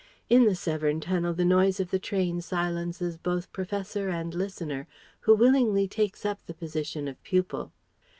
In the Severn Tunnel the noise of the train silences both professor and listener, who willingly takes up the position of pupil.